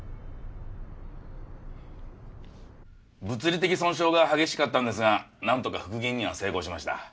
物理的損傷が激しかったんですがなんとか復元には成功しました。